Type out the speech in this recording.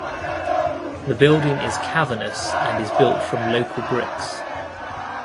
The building is cavernous and is built from local bricks.